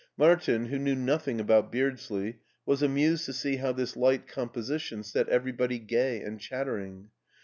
Martin, who knew nothing about Beardsley, was amused to see how this light composition set every body gay and chattering.